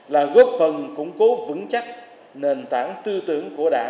là góp phần củng cố vững chắc nền tảng tư tưởng